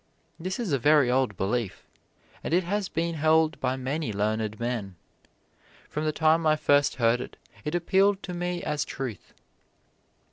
This is a very old belief, and it has been held by many learned men. From the time I first heard it, it appealed to me as truth.